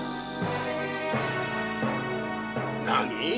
何？